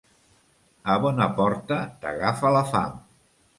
A bona porta t'agafa la fam.